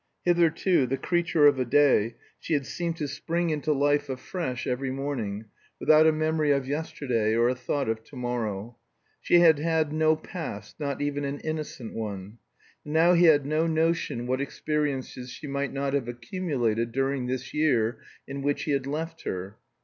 Hitherto, the creature of a day, she had seemed to spring into life afresh every morning, without a memory of yesterday or a thought of to morrow; she had had no past, not even an innocent one. And now he had no notion what experiences she might not have accumulated during this year in which he had left her.